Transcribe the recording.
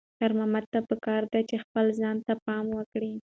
خیر محمد ته پکار ده چې خپل ځان ته پام وکړي.